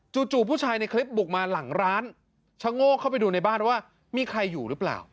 จู่ผู้ชายในคลิปบุกมาหลังร้านชะโงกเข้าไปดูในบ้านว่ามีใครอยู่หรือเปล่า